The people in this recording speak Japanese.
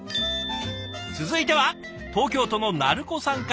続いては東京都のなるこさんから。